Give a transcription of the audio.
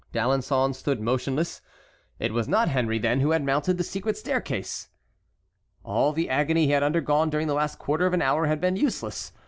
D'Alençon stood motionless. It was not Henry, then, who had mounted the secret staircase. All the agony he had undergone during the last quarter of an hour had been useless.